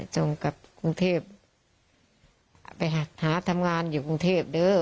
ส่งกลับกรุงเทพไปหาทำงานอยู่กรุงเทพเด้อ